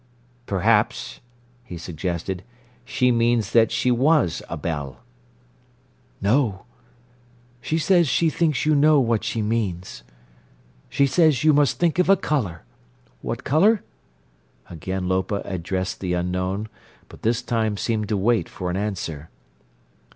"Perhaps," he suggested, "she means that she was a belle." "No. She says she thinks you know what she means. She says you must think of a colour. What colour?" Again Lopa addressed the unknown, but this time seemed to wait for an answer.